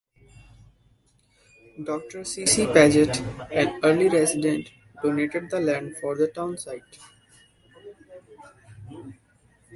Doctor C. C. Pagett, an early resident, donated the land for the townsite.